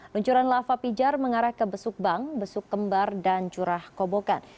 luncuran lava pijar mengarah ke besuk bang besuk kembar dan curah kobokan